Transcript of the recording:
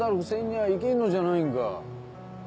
にゃあいけんのじゃないんか。